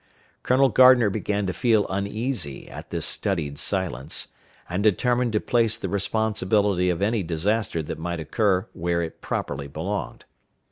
Colonel Gardner began to feel uneasy at this studied silence, and determined to place the responsibility of any disaster that might occur where it properly belonged.